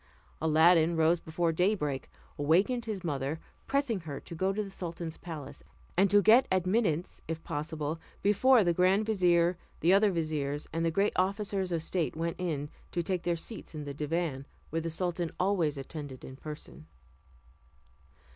Aladdin rose before daybreak, awakened his mother, pressing her to go to the sultan's palace, and to get admittance, if possible, before the grand vizier, the other viziers, and the great officers of state went in to take their seats in the divan, where the sultan always attended in person.